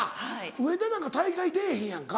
上田なんか大会出ぇへんやんか。